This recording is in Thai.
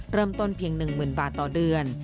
เริ่มต้นเพียง๑๐๐๐บาทต่อเดือน